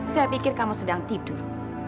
saya pikir kamu sedang tidur